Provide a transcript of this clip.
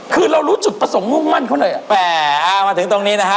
คือเรารู้จุดประสงค์งงวลเขาหน่อยอะแปลอ่ามาถึงตรงนี้นะฮะ